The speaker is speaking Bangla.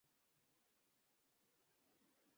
বেশ, তাহলে শুনে একপ্রকার খারাপ লাগলো, আবার খুশিও হলাম।